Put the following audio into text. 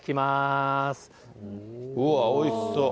うわ、おいしそう。